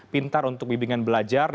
pintar untuk bibingan belajar